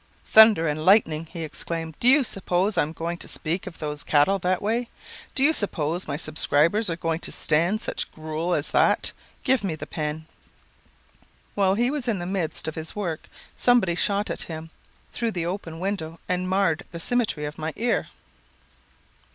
"'Thunder and lightning,' he exclaimed. 'Do you suppose I am going to speak of those cattle that way? Do you suppose my subscribers are going to stand such gruel as that? Give me the pen.'" "While he was in the midst of his work somebody shot at him through the open window and marred the symmetry of my ear.